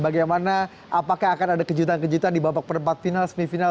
bagaimana apakah akan ada kejutan kejutan di babak perempat final semifinal